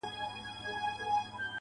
او ته خبر د کوم غریب د کور له حاله یې,